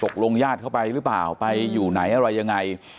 ญาติเข้าไปหรือเปล่าไปอยู่ไหนอะไรยังไง